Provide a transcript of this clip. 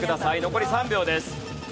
残り３秒です。